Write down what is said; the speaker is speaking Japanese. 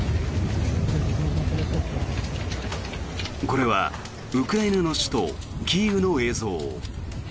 これはウクライナの首都キーウの映像。